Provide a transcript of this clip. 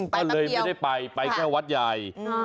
ก็เลยไม่ได้ไปไปแค่วัดใหญ่